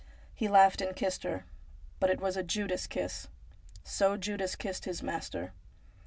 He laughed, and kissed her. But it was a Judas kiss. So Judas kissed his Master.